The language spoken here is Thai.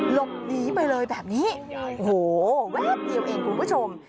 หลบหนีไปเลยแบบนี้โอ้โหแวบเดียวเองคุณผู้ชม